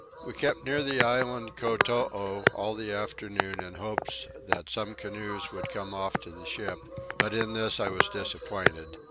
We kept near the island Kotoo all the afternoon in hopes that some canoes would come off to the ship; but in this I was disappointed.